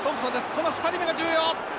この２人目が重要！